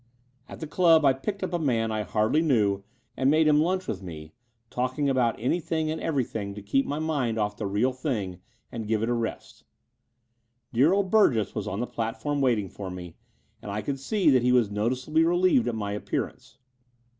At the club I picked up a man I hardly knew and made him lunch with me, talking about any thing and everything to keep my mind off the real thing and give it a rest. Dear old faithful Burgess was on the platform waiting for me: and I could see that he was noticeably relieved at my appearance.